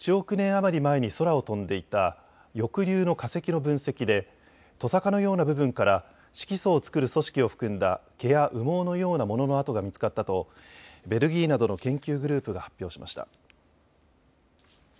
余り前に空を飛んでいた翼竜の化石の分析でとさかのような部分から色素を作る組織を含んだ毛や羽毛のようなものの跡が見つかったとベルギーなどの研究グループが発表しました。